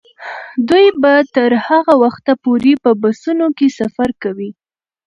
دوی به تر هغه وخته پورې په بسونو کې سفر کوي.